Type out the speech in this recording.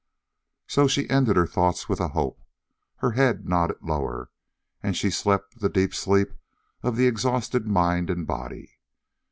So she ended her thoughts with a hope; her head nodded lower, and she slept the deep sleep of the exhausted mind and body.